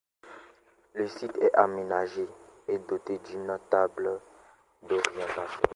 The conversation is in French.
Le site est aménagé et doté d'une table d'orientation.